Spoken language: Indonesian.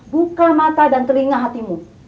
buka mata dan telinga hatimu